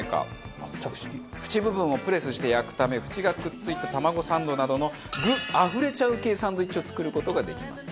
縁部分をプレスして焼くため縁がくっついて卵サンドなどの具あふれちゃう系サンドイッチを作る事ができます。